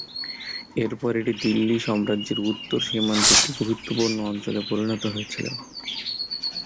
এর পরে এটি দিল্লি সাম্রাজ্যের উত্তর সীমান্তে একটি গুরুত্বপূর্ণ অঞ্চলে পরিণত হয়েছিল।